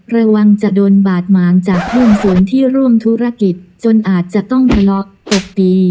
ระวังจะโดนบาดหมางจากหุ้นส่วนที่ร่วมธุรกิจจนอาจจะต้องทะเลาะตบตี